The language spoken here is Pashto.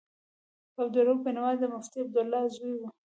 عبدالرؤف بېنوا د مفتي عبدالله زوی و.